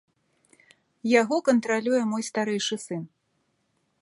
Яго кантралюе мой старэйшы сын.